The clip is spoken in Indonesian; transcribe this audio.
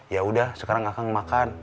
yaudah sekarang akang makan